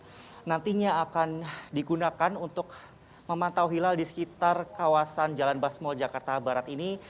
ini adalah alat yang nantinya akan digunakan untuk memantau hilal di sekitar kawasan jalan basmul jakarta barat ini